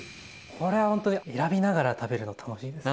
これはほんとに選びながら食べるの楽しいですね。